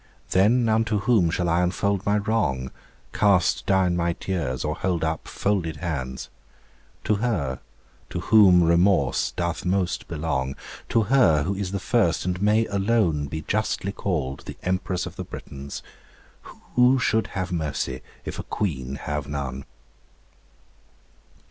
Then unto whom shall I unfold my wrong, Cast down my tears, or hold up folded hands? To Her to whom remorse doth most belong; To Her, who is the first, and may alone Be justly called, the Empress of the Britons. Who should have mercy if a Queen have none?